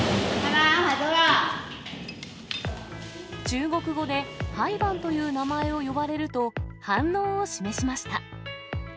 中国語でハイバンという名前を呼ばれると、反応を示しました。